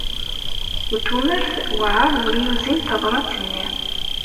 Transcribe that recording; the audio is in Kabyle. Utumert werɛad ur yuzin tabṛat-nni.